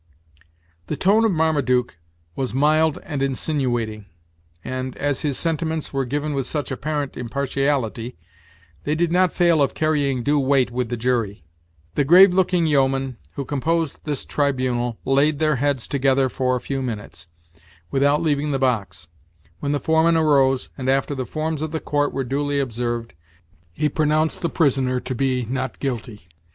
The tone of Marmaduke was mild and insinuating, and, as his sentiments were given with such apparent impartiality, they did not fail of carrying due weight with the jury. The grave looking yeomen who composed this tribunal laid their heads together for a few minutes, without leaving the box, when the foreman arose, and, after the forms of the court were duly observed, he pronounced the prisoner to be "Not guilty."